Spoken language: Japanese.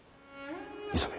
急げ。